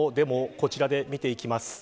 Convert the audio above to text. こちらで見ていきます。